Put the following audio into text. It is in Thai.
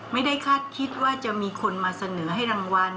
ไม่ได้คาดคิดว่าจะมีคนมาเสนอให้รางวัล